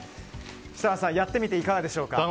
設楽さん、やってみていかがでしょうか？